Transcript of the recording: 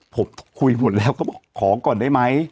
ผมคุยหมดแล้วก็บอกขอก่อนได้ไหม